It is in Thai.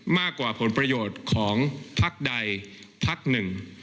มากกว่าผลประโยชน์ของพักใดพักหนึ่ง